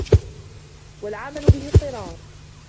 وَالْعَمَلَ بِهِ اضْطِرَارٌ